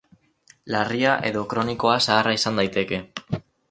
Larria edo kronikoa zaharra izan daiteke.